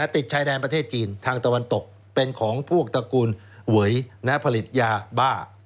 ติดชายแดนประเทศจีนทางตะวันตกเป็นของพวกตระกูลเวยผลิตยาบ้า